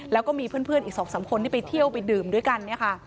แล้วก็มีเพื่อนอีกสองสามคนที่ไปเที่ยวไปดื่มด้วยกัน